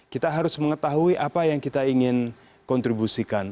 kita harus mengetahui apa yang kita ingin kontribusikan